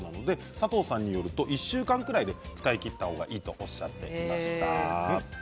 佐藤さんによると１週間くらいで使い切った方がいいとおっしゃっていました。